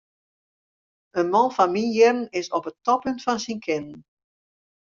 In man fan myn jierren is op it toppunt fan syn kinnen.